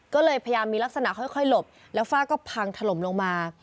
ก็เลยพยายามมีลักษณะค่อยหลบแล้วฝ้าก็พังถล่มลงมา